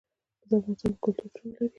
په افغانستان کې کلتور شتون لري.